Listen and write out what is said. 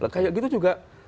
kayak gitu juga